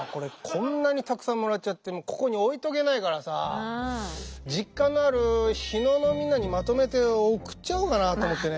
こんなにたくさんもらっちゃってここに置いとけないからさ実家のある日野のみんなにまとめて送っちゃおうかなと思ってね。